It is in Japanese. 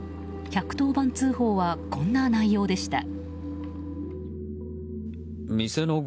１１０番通報はこんな内容でした。